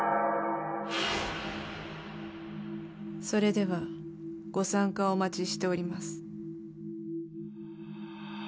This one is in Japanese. それではご参加をお待ちしております。